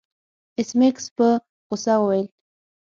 ایس میکس په غوسه وویل